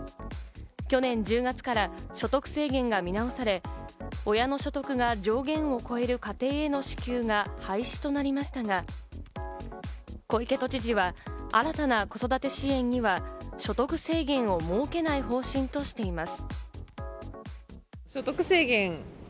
去年１０月から所得制限が見直され、親の所得が上限を超える家庭への支給が廃止となりましたが、小池都知事は新たな子育て支援には所得制限を設けない方針としています。